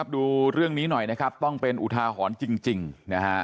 ดูเรื่องนี้หน่อยนะครับต้องเป็นอุทาหรณ์จริงนะฮะ